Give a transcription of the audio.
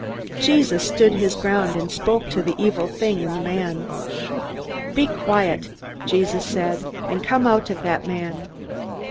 Jesus stood his ground, and spoke to the evil thing in the man. "Be quiet," Jesus said, "and come out of that man."